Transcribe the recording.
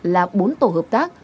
là bốn tổ hợp tác